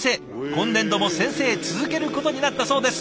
今年度も先生続けることになったそうです。